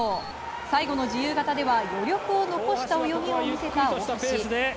最後の自由形では余力を残した泳ぎを見せた大橋。